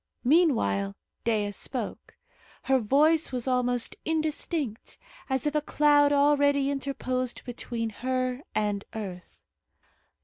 Meanwhile, Dea spoke. Her voice was almost indistinct, as if a cloud already interposed between her and earth.